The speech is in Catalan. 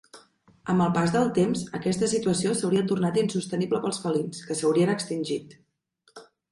Amb el pas del temps, aquesta situació s'hauria tornat insostenible pels felins, que s'haurien extingit.